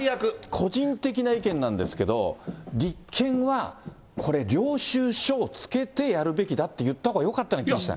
個人的な意見なんですけど、立憲はこれ、領収書を付けてやるべきだといったほうがよかったような気がする。